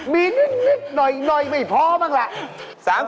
มีนิดหน่อยไม่พอบ้างล่ะ